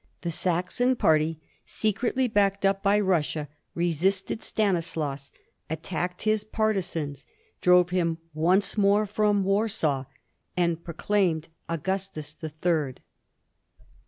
The Saxon party, secretly backed up by Russia, resisted Stanislaus, attacked his partisans, drove him once more from Warsaw, and proclaimed Augustus the Third.